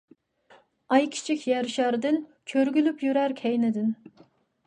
ئاي كىچىك يەر شارىدىن ، چۆرگۈلەپ يۈرەر كەينىدىن.